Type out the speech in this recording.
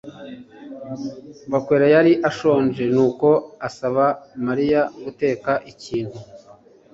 bakware yari ashonje, nuko asaba mariya guteka ikintu